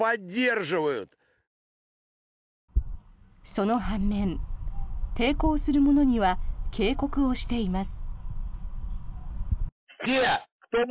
その半面抵抗するものには警告をしています。